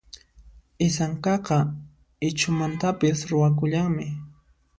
Isankaqa Ichhumantapis ruwakullanmi.